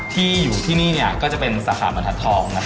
ที่อยู่ที่นี่ก็จะเป็นสาขาบรรทัศน์ทอง